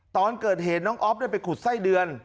ตอนเกิดเหตุน้องอ๊อฟได้ไปขุดไส้เดือน